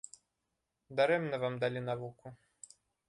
Дарэмна вам далі навуку.